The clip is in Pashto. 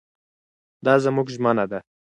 دا زموږ ژمنه ده.